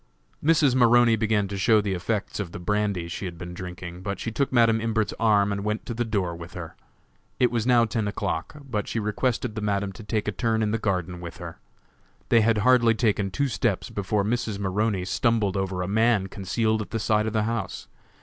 Mrs. Maroney began to show the effects of the brandy she had been drinking, but she took Madam Imbert's arm and went to the door with her. It was now ten o'clock, but she requested the Madam to take a turn in the garden with her. They had hardly taken two steps before Mrs. Maroney stumbled over a man concealed at the side of the house.